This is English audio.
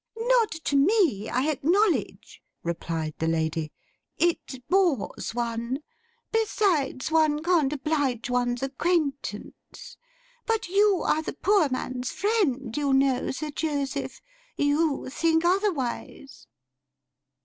'Not to me, I acknowledge,' replied the lady. 'It bores one. Besides, one can't oblige one's acquaintance. But you are the Poor Man's Friend, you know, Sir Joseph. You think otherwise.